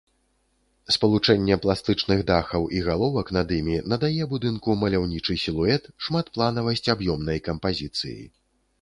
Спалучэнне пластычных дахаў і галовак над імі надае будынку маляўнічы сілуэт, шматпланавасць аб'ёмнай кампазіцыі.